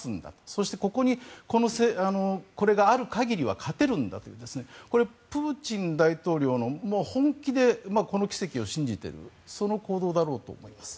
そしてここにこれがある限りは勝てるんだというプーチン大統領は本気でこの奇跡を信じているその行動だろうと思います。